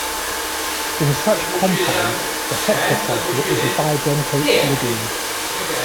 In such compounds, the heterocycle is a bidentate ligand.